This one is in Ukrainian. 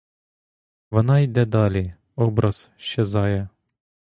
Вона йде далі — образ щезає.